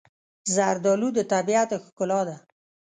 زردالو د طبیعت ښکلا ده.